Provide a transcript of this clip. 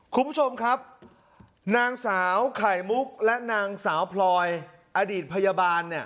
คุณผู้ชมครับนางสาวไข่มุกและนางสาวพลอยอดีตพยาบาลเนี่ย